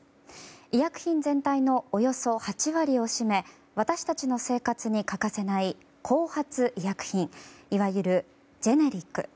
医薬品全体のおよそ８割を占め私たちの生活に欠かせない後発医薬品いわゆるジェネリック。